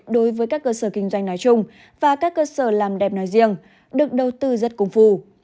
đối với các cơ sở kinh doanh nói chung và các cơ sở làm đẹp nói riêng được đầu tư rất công phu